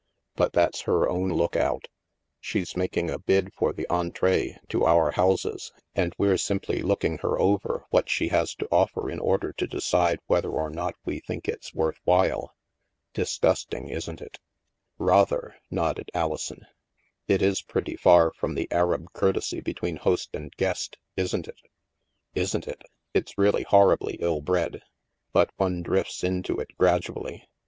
But that's her own lookout. She's making a bid for the entree to our houses, and we're simply looking her over what she has to offer in order to decide whether or not we think it's worth while. Disgusting, isn't it? "" Rather," nodded Alison. " It is pretty far from the Arab courtesy between host and guest, isn't it?" " Isn't it ? It's really horribly ill bred. But one drifts into it gradually.